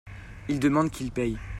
Il demande qu'il paye.